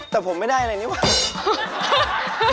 แต่ผมไม่ได้อะไรนี่ว่ะ